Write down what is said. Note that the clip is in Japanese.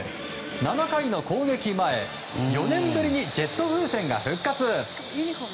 ７回の攻撃前４年ぶりにジェット風船が復活。